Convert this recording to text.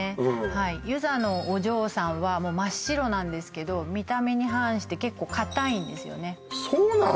はい遊佐のお嬢さんはもう真っ白なんですけど見た目に反して結構硬いんですよねそうなんだ